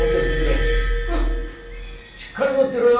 しっかり持ってろよ！